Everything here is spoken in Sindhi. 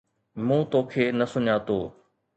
مون توکي نه سڃاتو